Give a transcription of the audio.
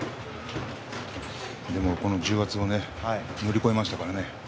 この重圧を乗り越えましたからね。